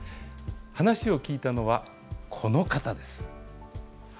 話を聞いたのは、この方です。